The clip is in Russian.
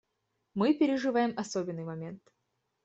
Мы переживаем особенный момент.